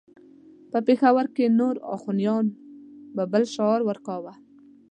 په پېښور کې نور اخوانیان به بل شعار ورکاوه.